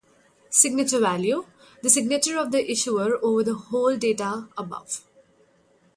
Signature value: the signature of the issuer over the whole data above.